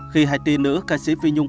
khi hãy tin nữ ca sĩ phi nhung